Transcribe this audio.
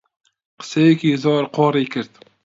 قسەیەکی زۆر قۆڕی کرد